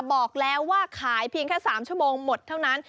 บอกแล้วว่าขายเพียงแค่๓ชั่วโมงหมดเท่านั้น